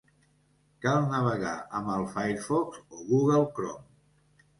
Cal navegar amb el Firefox o Google Chrome.